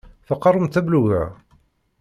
Teqqaremt ablug-a?